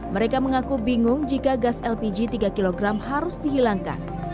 mereka mengaku bingung jika gas lpg tiga kg harus dihilangkan